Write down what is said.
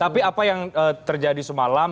tapi apa yang terjadi semalam